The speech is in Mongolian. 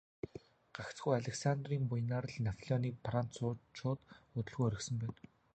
Гагцхүү Александрын буянаар л Неаполийг францчууд удалгүй орхисон байна.